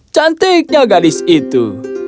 cantiknya gadis itu